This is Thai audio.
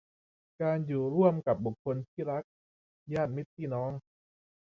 การอยู่ร่วมกับบุคคลที่รัก ญาติมิตรพี่น้อง